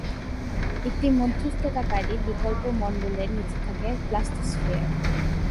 একটি মধ্যস্থতাকারী বিকল্প মন্ডলের নীচে থাকে প্লাস্টোস্ফিয়ার।